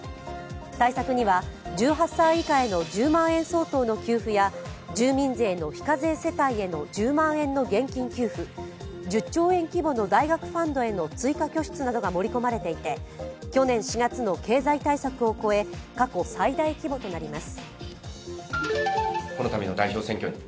対策には１８歳以下への１０万円相当の給付や住民税の非課税世帯への１０万円現金給付、大学ファンドへの追加拠出などが盛り込まれていて、去年４月の経済対策を超え過去最大規模となります。